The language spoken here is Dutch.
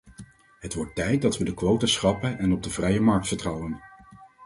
Het wordt tijd dat we de quota schrappen en op de vrije markt vertrouwen.